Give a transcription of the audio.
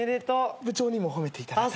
部長にも褒めていただいたり。